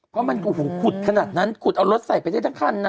เพราะมันโอ้โหขุดขนาดนั้นขุดเอารถใส่ไปได้ทั้งคันนะ